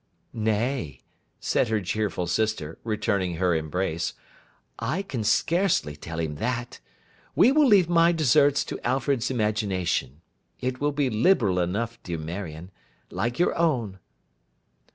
'Nay,' said her cheerful sister, returning her embrace, 'I can scarcely tell him that; we will leave my deserts to Alfred's imagination. It will be liberal enough, dear Marion; like your own.